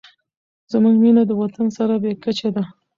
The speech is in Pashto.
زموږ مینه د وطن سره بې کچې ده.